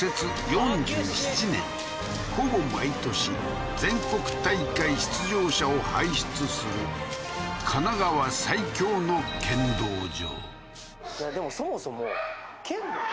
４７年ほぼ毎年全国大会出場者を輩出する神奈川最強の剣道場